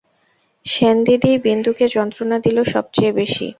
সেনদিদিই বিন্দুকে যন্ত্রণা দিল সবচেয়ে বেশি।